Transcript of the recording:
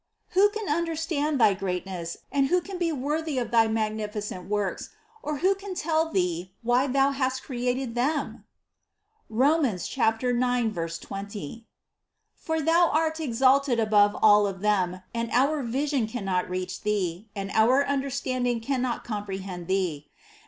Who can understand thy greatness and who can be worthy of thy most magnificent works, or who can tell Thee why Thou hast created them (Rom. 9, 20) ? For Thou art exalted above all of them and our vision cannot reach Thee and our understanding cannot comprehend Thee.